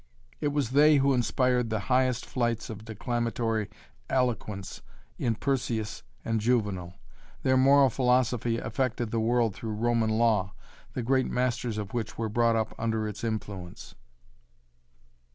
It was they who inspired the highest flights of declamatory eloquence in Persius and Juvenal. Their moral philosophy affected the world through Roman law, the great masters of which were brought up under its influence.